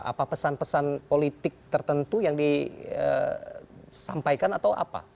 apa pesan pesan politik tertentu yang disampaikan atau apa